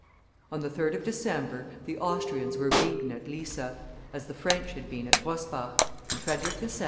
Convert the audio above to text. On the 3d of December the Austrians were beaten at Lissa, as the French had been at Rosbach, and Frederick II.